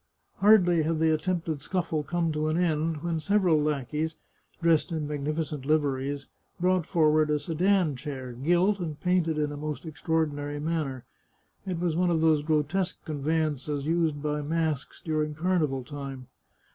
Hardly had the attempted scuffle come to an end, when several lackeys, dressed in magnificent liveries, brought for ward a sedan chair, gilt and painted in a most extraordi nary manner. It was one of those grotesque conveyances used by masks during carnival time.